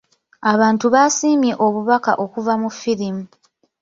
Abantu baasiimye obubaka okuva mu firimu.